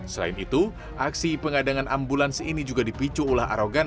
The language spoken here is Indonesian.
selain itu aksi pengadangan ambulans ini juga dipicu ulah arogan